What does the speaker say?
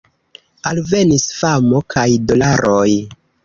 Alvenis famo, kaj dolaroj.